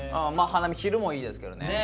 花見昼もいいですけどね。